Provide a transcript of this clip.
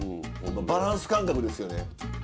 バランス感覚ですよね。